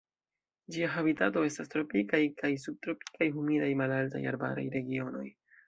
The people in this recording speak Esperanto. Ĝia habitato estas tropikaj kaj subtropikaj humidaj malaltaj arbaraj regionoj.